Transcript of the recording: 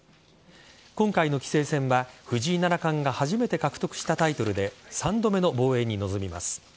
今回の棋聖戦は藤井七冠が初めて獲得したタイトルで３度目の防衛に臨みます。